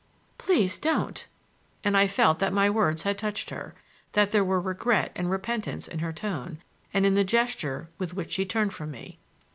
"Please don't!" And I felt that my words had touched her; that there were regret and repentance in her tone and in the gesture with which she turned from me.